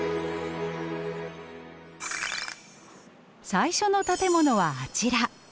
最初の建物はあちら。